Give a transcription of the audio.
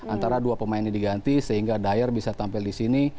antara dua pemain ini diganti sehingga dyer bisa tampil di sini